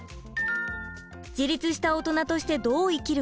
自立したオトナとしてどう生きるか？